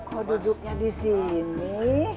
kok duduknya di sini